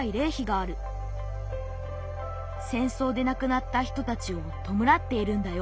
戦争で亡くなった人たちをとむらっているんだよ。